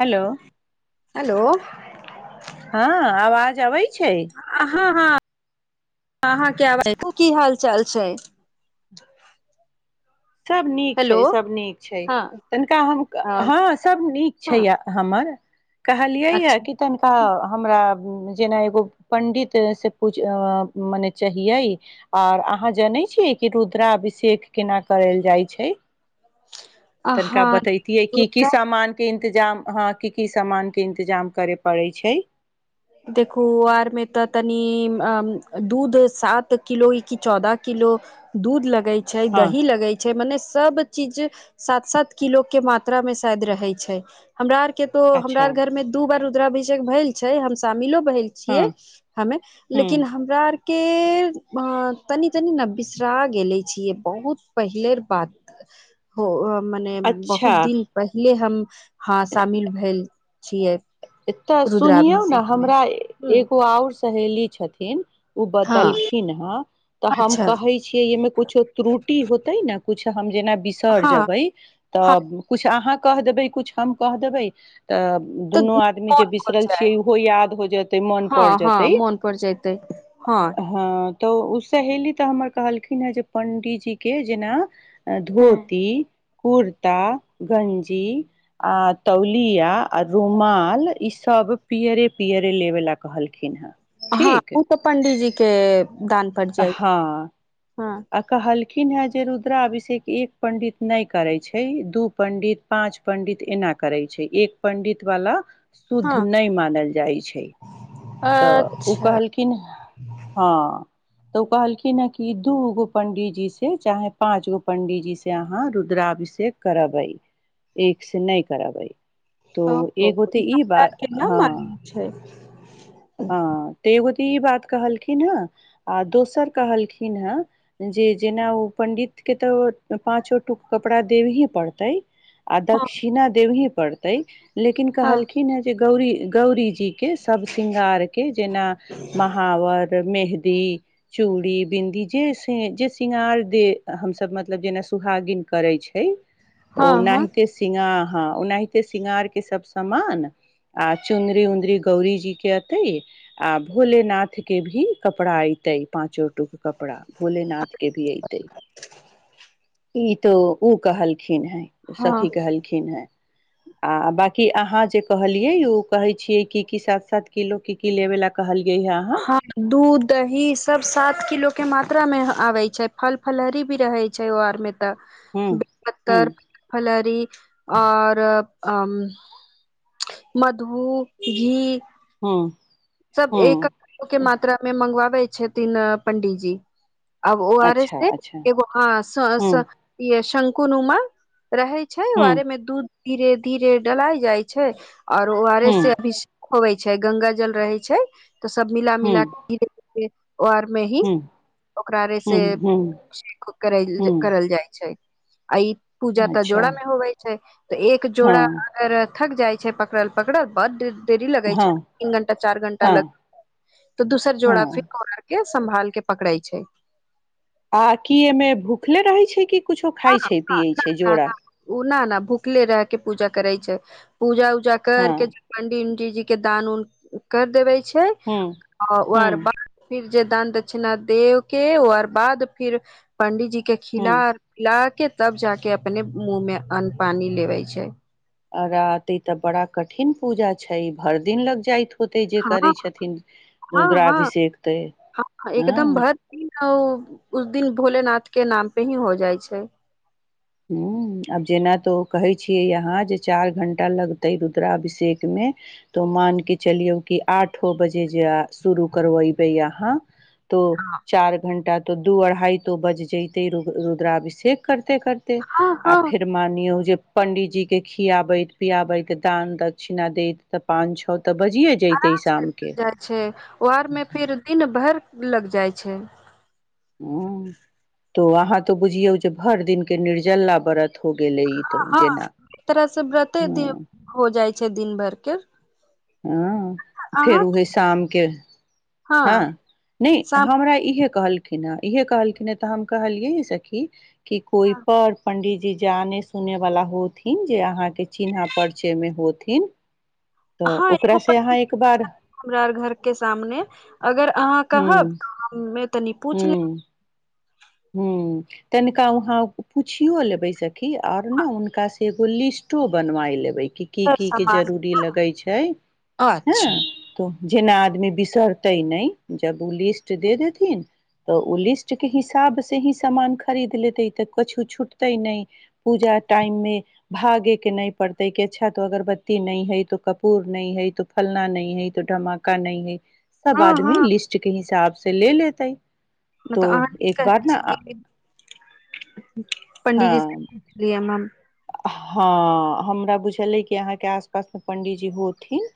Hello hello हँ आवाज अबै छै हँ हँ अहाँके आवाज की हाल चाल छै सभ नीक छै हेलो सभ नीक छै हँ तनिका हम अ, हँ सभ नीक छै हँ हमर कहलिया यए अच्छा कि तनिका हमरा जेना एगो पंडित से पू मने चाहियै आर अहाँ जानै छीयै कि रुद्राभिषेक केना करल जाइ छै तनिकाह हँ बतयति की की सामानके इ इन्तजाम हँ क की सामानके इन्तजाम करय पड़ैत छै देखू आर मे तऽ तनी दूध सात किलो कि चौदह किलो दूध लग लगै छै हँ दही लगै छै मने सब चीज सात सात किलो के मात्रा मे शायद रहे छै हमरा आर के के तो हमरा अच्छा घर मे दू बार रुद्राभिषेक भेल छै हम सामीलो भैल छियै हँ हमे हँ लेकिन हमरा आर के के तनी तनी न बिसरा गेले छियै बहुत पहिले बात हो मने अच्छा बहुत दिन पहिले हम [inaudible] हँ शामिल भेल छियै तऽ सुनियौ ने रुद्राभिषेक मे हमरा एगो आउर सहेली छथिन ओ हँ बतलखिन ह हम अच्छा कहे छिये अहि मे जे तुरुटी जे हम जेना बिसरि हँ जैब्ये हँ त आहा कह देबै कुछ हम कह देबै तऽ तऽ दुनू आद जे मोन पर बिसरल जाय छियै ओहो याद हो जेतै मन हँ पर जेतै हँ मोन पर जयतै हँ हा तऽ ओ सहेली तऽ हमर कहलखिन हे जे पण्डीजी के जेना धोती कुर्ता गंजी आ तौलिया आ रुमाल ई सब पियरे पियरे लेबे ला कहल हां उ तऽ पंडिजी केऽ दान परड़ जाइत हँ आ कहल खिन हे जे रुद्रा अभिषेक एक पण्डित नहि करय छै दू पण्डित पाँच पण्डित एना करय छै एक पण्डित वाला शुद्ध हँ नहि मानल जाइ छै तऽ ओ अच्छा कहलखिन हं तऽ ओ कहलखिन है कि दू गो पंडीजी से चाहे पांच गो पंडीजी से अहाँ रुद्राभिषेक करबै एक से नहि करबै तो ओ एगो तऽ ई सबटा बात केना मालुम हँ छै [inaudible] हँ तो एगो तऽ ई बात कहलखिन हें आ दोसर कहलखिन हेँ जे जेना ओ पंडितकें तऽ पांचो टुक कपड़ा देबहे पड़तै आ हँ दक्षिणा देबही पड़तै लेकिन कहलखिन हँ जे गौरी गौरीजी के सबसँ श्रृंगारकें जेना महावर मेहं दी चूड़ी बिन्दी जे जे शृंगार दे हमसभ मतलब जेना सुहागिन करय छै हँ हँ ओनाहिते सिंगा हँ ओनाहिते शृंगार के सब समामान आ चुन्दरी उँदरी गौरी जी के एतय आ भोलेनाथ के भी कपड़ा ऐतै पाचो टुक कपड़ा भोलेनाथ के भी ऐतय ई तो ओ कहलखिन इन हैं सखी हँ कहलखिन हैं आ बांकी अहाँ जे कहलियै ओ कहै छियै की की साथ साथ किलो की की लेबे लाए कहल हँ दूध दही सब सात किलो के मा त्राहमे आबय छै फल फलहरी भी रहय छै ओ आरमे हूँ ब हूँ प्तर फलारी आओर अ मधु घी हँ सब एकक गोके मात्रामे मंगबा बय छथिन पंडिजी अब ओ आर एस अच्छा अच्छा एगो ह सह हूँ सह सं कोन उमर रहय छै ओ हूँ आरेमे दूध धीरे धीरे डलाइ जाइ छै आओर ओ आर एस हूँ से अभि होबय छै गंगा जल रहय छै तऽ सब मिला हूँ मिला क एक ओ आरमे ही हूँ ओकरा रे हूँ हूँ शेख हूँ करल जाय छै आ ई पूजा तऽ अच्छा जोड़ा मे होबय छै तऽ एक जोड़ा हँ अगर थक जाइ छै पकड़ल पकड़ल बड् देरी लगै छै हँ तीन घंटा चार घंटा त लग हँ त दूसर जोड़ा हँ फिर ओराके सम्भाल के पकड़ै छै आ की एहिमे भूखले रहय छै कि कुछो खाइ छै पियै छै जोड़ा ओ न न भूखले रह के पूजा करै छै पूजा उ जा हँ कर के पंडिजी डिजी के दान ऊन कर देबय छै हूँ हूँ उआर बाद फिर जे दान दक्षिणा देव के आर बाद फिर पंडिजी के खिलाा हूँ आओर जा के तब जाके अपने मुँह मे अन्न पानी लेबय छै रात तऽ बड़ा कठिन पूजा छै भरि दिन लग जाइत होते जे हाँ करै छथिन हाँ हाँ रुद्राभिषेक तऽ हं हँ एकदम भरि दिन ओ उस दिन भोलेनाथकें नाम पे ही हो जाइ छै हं आब जेना तऽ ओ कहै छियै यहाँ जे चार घण्टा लगतै रुद्राभिषेकमे तऽ मान के चलियौ कि आठो बजे जे शुरू करबइ बई अहाँ तो चार घण्टा तो दू अढ़ाई तो बज जैतय रुद्रा रुद्राभिषेक करते करते ए हँ आ हँ फेर मानियौ जे पंडितजी के खियाबैत पियाबैत दान दक्षिणा दैत त पान छौ आराम से मिल जाइ छै उहेर मे फिर दिन भरि लग जाइ छै उं तो अहाँ तो बुझियौ जे भरि दिन के निर्जल्ला बरत हो गेलय ई तऽ हँ जेना एक तरह से व्रते दि हूं हो जाय छै च्छा दिन भरके हं फेर ओहे शामके हँ नहि शाम हमरा इहे कहल खिन इहे कहलखिन तऽ हम कहलियै सखी कि कोइ प'र पंडित जे जानय सुनय बला होथिन जे अहाँके चिन्हा परिचयमे होथिन तऽ हं एगो ओकरा से अहाँ एक पंडित बार हमरा और घर के सामने अगर अहाँ हूँ कहब त हम्मे तनि पूछ लेब हुं तनिका वहाँ पुछियो लेबय सखी आर ने हुनकासँ एगो लिस्टो बनबाय लेबय की हुनकर की के सामान जरूरी के लगय छै न। हँ अच्छा तो जेना आदमी बिसरतै नहि जब ओ लिस्ट दे देथिन तऽ ओ लिस्ट के हिस आब से ही हिसाब से ही सामान खरीद लेतय तऽ कछु छूटतै नहि पूजा टाइम मे भागे के नहि पड़ते कि अच्छा तो अगरबत्ती न हइ तो कपूर न हइ तो फलना न हइ तो ढमाका न हइ सब हँ हँ आदमी लिस्ट के हिसाब स से ले लेतै नै त तो अहाँ एक कहय बार न छियै पंडिजी से हँ बात करैया मम्मी हँ हमरा बुझल अइ कि अहाँके आस पासमे पण्डीजी होथिन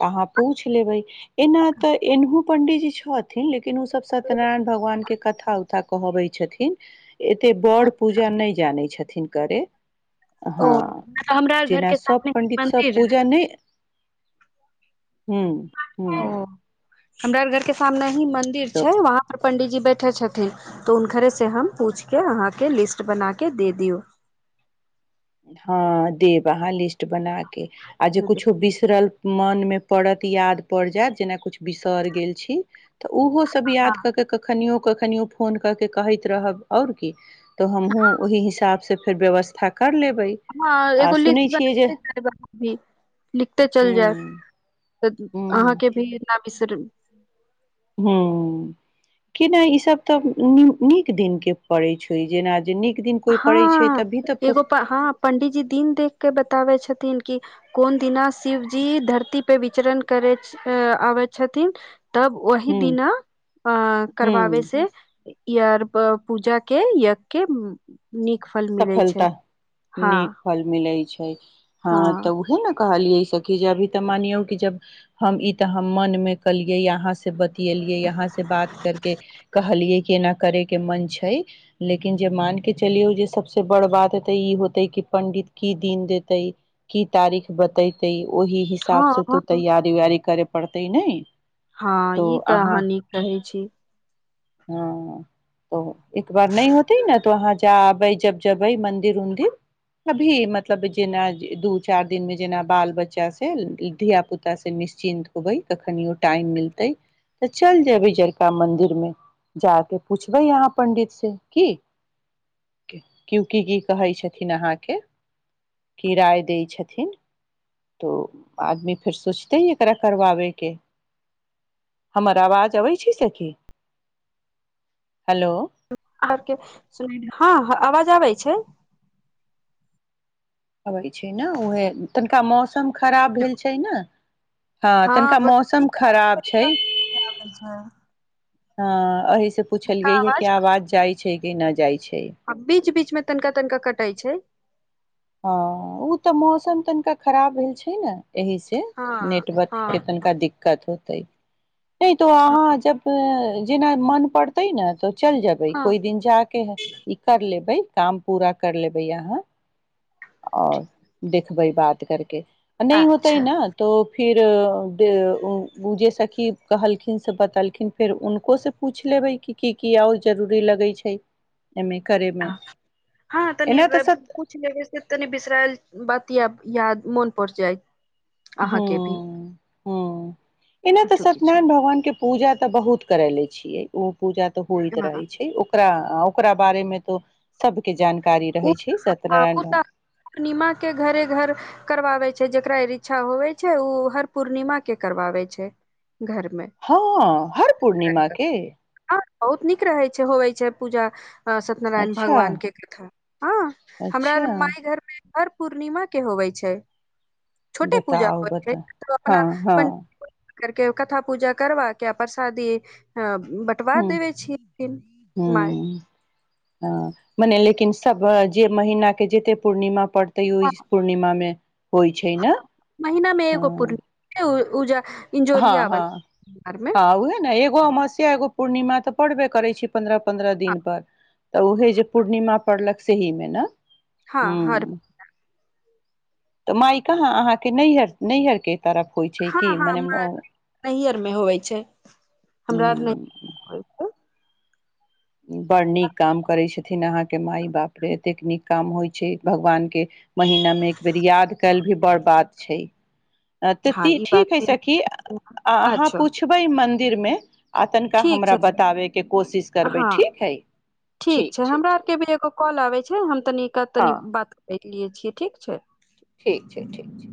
तऽ अहाँ पूछि लेबय एना तऽ एनहु पंडिजी छथिन लेकिन ओसभ सत्यनारायण भगवानके कथा उथा कहबै छथिन एते बड़ अ पूजा नहि जानय छथि थिन करय ओ हँ नहि तऽ हमरा आर घर जेना के सभ सामने ही पण्डितसभ मंदिर पूजा नहि हुं हुं ओ हमरा आर घर के सामने मंदिर छै वहाँ पर पंडितजी बैठय छथिन तऽ हुनकरे से हम पूछिके अहाँके लिस्ट बनाके दे दियौ हँ देब अहाँ लिस्ट बना के के आ जे हँ कुछो बिसरल मन मे पड़त याद पड़ जायत जेना कुछ बिसर गेल छी तऽ उहो सब याद कऽ के कखनियो कखनियों फोन क' के कहैत रहब और की हमहुँ ओहि हिसाब से फेर व्यवस्था कर लेबै ह आ एगो सुनै लिस्ट छियै जे बनाे जाय भी लिखते चल जायब हूं त हूं अहाँके भी न बिसर [inaudible] ह किना ईसभ तऽ नीक दिन के पड़ैत छै जेना जे नीक दिन कोइ पड़ैत छै हाँ तभी तऽ एगो हाँ पंडीजी दिन देख के बताबे छथिन कि कोन दिना शिवजी धरती पे विचरण करै आबै छथिन तब वही हूं दिना अ हूं करबाबै से यार पूजा के यज्ञ के नीक फल मिलै छै सफलता हँ नीक फल मिलय छय [unintelligible] हँ तऽ उहे ने कहलिय सब अभी तऽ मानियौ कि जब हम ई तऽ हम मन मे कलिये अहाँ से बतियलियै यहाँ से बात करके कहलियै कि एना करे के मन छै लेकिन जे मान के चलियऔ जे सब से बड़ बात हेते ई होते क पंडित की दिन देतै की तारीख बतैतै ओहि हिसाब हँ से तू हँ तैयारी उयारी करे पड़तै नहि हँ ई तऽ अहाँ नीक कहय छी हँ त एक बार नहि होतेै न तो अहाँ जाबै जब जेबय मंदिर उनदिर अभी मतलब जेना दू चार दिन मे जेना बाल बच्चा से धिया पुता से निश्चिन्त होबै कखनो टाइम मिलते तऽ चल जेबय जरका मदिर मे जााक पुछबै यहाँ पंडित से की क्युकी की कहैय छथिन अहाँ के की राय दैय छथिन तो आदमी कुछ पुछतै न एकरा करबाबे के हमर अबाज अबै छैय सखी हेलो सु हँ हँ आवाज आबैय छै अबै छै ने उएह तनिका मौसम खराब भेल छै ने हँ तनिका ब मौसम खराब छै आबै छै। हँ अहिस पूछलिय हन कि आवाज जाइ छै के न जाइ छै आ बीच बीच मे तनिका तनिका कटै छै हँ ओ तऽ मौसम तनिका खराब भेल छै ने एहि से हँ नेटवर्क हँ के तनिका दिक्कत होयत तै नहि तो हँ अहाँ जब जेना मन पड़ते ने तऽ चल जेबय हँ कोई दिन जााक है ई कर लेबय काम पूरा कर लेबय अहाँ आओर देखखबै बात करके नहि होता ही अच्छा न तो फिर जे उ उजे सखी कहलखिन से बतेलखिन फेर हुनकोसँ पूछि लेबै कि की क आओर जरूरी लगय छै एमे करे मे हँ तनी एना तऽ सत पूछ लेबै से तनि बिसराल बात याद मोन पड़ जाय अहाँके भी हँ हँ एना तऽ किछु किछु सत्यनारायण भगवान के पूजा तऽ बहुत करैले छियै ओ पूजा तऽ होइत हँ रहै छै ओकरा ओकरा बारे मे तो सबके जान ओ तऽ पूर्णिमा के घरे घर करवाबे छै जेकरा इच्छा होवे छै ओ हर पूर्णिमा के करवाबै छय हंउआ हर पूर्णिमा के हँ बहुत नीक रहै छै होवै छै पूजा सत्यनारायण अच्छा भगवान के कथा हँ हमरा अच्छा माय घरमे ओर पूर्णिमा के होबै छै छोटे पूजा बताउ होवे छै बता तो अपना हाँ हाँ पंडित करके कथा पूजा करबा के प्रसादी अब बँटवा हूँ देबे छीय खिन माय ह मने लेकिन सभ जे महीनाके जते पूर्णिमा पड़तै तै स ओइ पूर्णिमामे महिनामे एगो हँ पूर्णिमा पूजा हँ हँ हँ उहे न एगो अमस्या एगो पूर्णिमा तऽ पड़बे करय छी पन्द्रह पन्द्रह दिन पर तऽ उहे जे पूर्णिमा पड़लक सही मे ने हाँ हर हूँ तऽ माय कहाँ अहाँके नैहर नैहरके हँ हँ माय नैहर में होबइ छै हमरा आर हूँ नैहर में होइ छै बड नीक काम करै छथिन अहाँके माय बाप रे एतेक नीक काम होइ छै भगवान के महिनामे एक बेर याद कयल भी बड़ बात छै अ त हँ तै ई बात ठीक हइ भी सखी अहाँ अच्छा पुछबै मइ फिर मे आ तनिका हमरा बतावे के कोशिश करबय हां ठीक छै हमरा आर के भी एगो काॅल आबैछै हँ हँ तनि एक तनी हँ बात करय लियए छियै ठीक छै ठीक छै ठीक छै